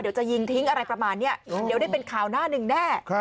เดี๋ยวจะยิงทิ้งอะไรประมาณนี้เดี๋ยวได้เป็นข่าวหน้าหนึ่งแน่